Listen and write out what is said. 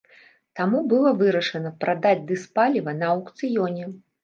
Таму было вырашана прадаць дызпаліва на аўкцыёне.